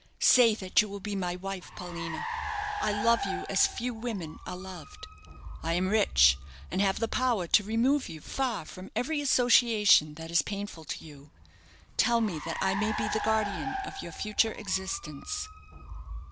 Say that you will be my wife, Paulina. I love you as few women are loved. I am rich, and have the power to remove you far from every association that is painful to you. Tell me that I may be the guardian of your future existence."